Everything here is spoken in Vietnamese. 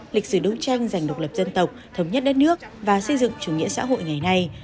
lịch sử đấu tranh giành độc lập dân tộc thống nhất đất nước và xây dựng chủ nghĩa xã hội ngày nay